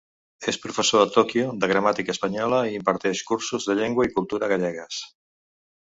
És professor a Tòquio de gramàtica espanyola i imparteix cursos de llengua i cultura gallegues.